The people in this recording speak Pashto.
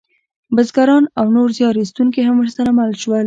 بزګران او نور زیار ایستونکي هم ورسره مل شول.